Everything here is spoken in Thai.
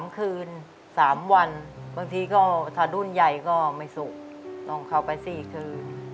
๒คืน๓วันบางทีก็ถ้ารุ่นใหญ่ก็ไม่สุกต้องเข้าไป๔คืน